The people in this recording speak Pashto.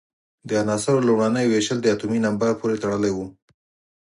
د عناصرو لومړنۍ وېشل د اتومي نمبر پورې تړلی وو.